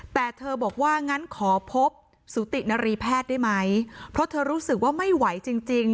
แต่เธอบอกว่างั้นขอพบสุตินรีแพทย์ได้ไหมเพราะเธอรู้สึกว่าไม่ไหวจริงจริง